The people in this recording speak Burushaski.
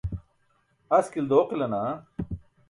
Askil dooqila naa?